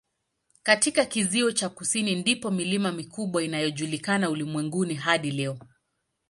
Katika kizio cha kusini ndipo milima mikubwa inayojulikana ulimwenguni hadi leo.